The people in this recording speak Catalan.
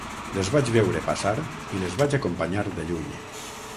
Les vaig veure passar i les vaig acompanyar de lluny.